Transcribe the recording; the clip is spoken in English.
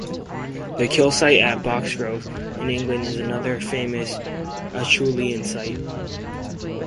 The kill site at Boxgrove in England is another famous Acheulean site.